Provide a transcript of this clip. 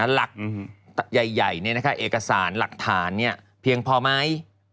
หลักใหญ่เอกสารหลักฐานเพียงพอไหม